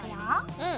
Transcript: うん。